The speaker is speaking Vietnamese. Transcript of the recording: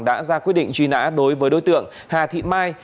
đã ra quyết định truy nã đối với đối tượng hà thị mai